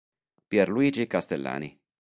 Pierluigi Castellani